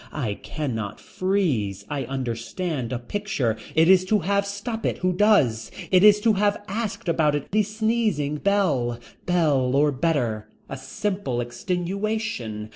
I cannot freeze. I understand a picture. It is to have stop it who does. It is to have asked about it the sneezing bell. Bell or better. A simple extenuation.